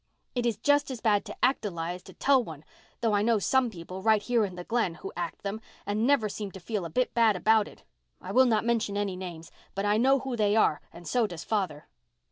It is just as bad to act a lie as to tell one, though I know some people, right here in the Glen, who act them, and never seem to feel a bit bad about it. I will not mention any names, but I know who they are and so does father.